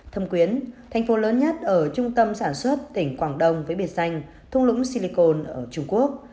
thâm quyến thành phố lớn nhất ở trung tâm sản xuất tỉnh quảng đông với biệt danh thung lũng silicon ở trung quốc